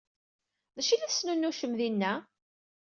D acu i la tesnunucem dinna?